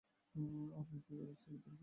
আপনি তো সাইকোথেরাপিস্ট তাই জিজ্ঞেস করলাম।